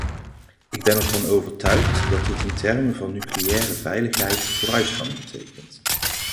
Ik ben ervan overtuigd dat dit in termen van nucleaire veiligheid vooruitgang betekent.